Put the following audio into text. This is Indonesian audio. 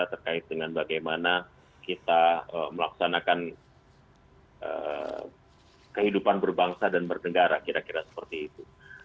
terkait dengan bagaimana kita melaksanakan kehidupan berbangsa dan bernegara kira kira seperti itu